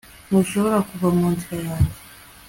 ntushobora kuva mu nzira yanjye